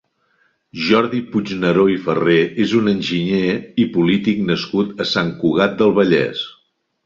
Jordi Puigneró i Ferrer és un enginyer i polític nascut a Sant Cugat del Vallès.